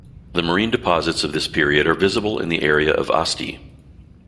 The marine deposits of this period are visible in the area of Asti.